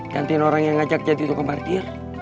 gantiin orang yang ngajak jadi tukang parkir